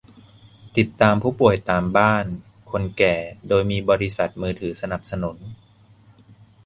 ติดตามผู้ป่วยตามบ้าน คนแก่ โดยมีบริษัทมือถือสนับสนุน